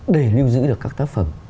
để lưu giữ được các tác phẩm